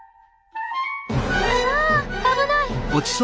あっ危ない！